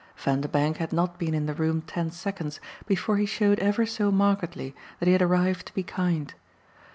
Vanderbank had not been in the room ten seconds before he showed ever so markedly that he had arrived to be kind.